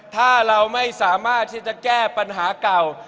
ถ้าเราไม่สามารถที่จะแก้ปัญหาเก่า